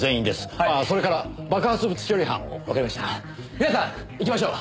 皆さん行きましょう。